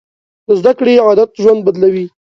د زده کړې عادت ژوند بدلوي.